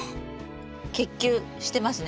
結球してますね。